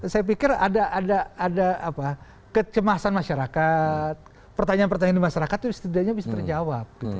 saya pikir ada kecemasan masyarakat pertanyaan pertanyaan di masyarakat itu setidaknya bisa terjawab